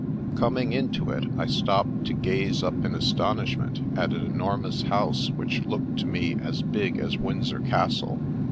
Coming into it, I stopped to gaze up in astonish ment at an enormous house which looked to me as big as Windsor Castle.